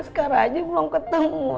sekarang aja belum ketemu